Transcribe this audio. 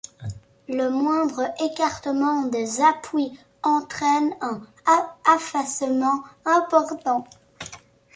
Le moindre écartement des appuis entraîne un affaissement important.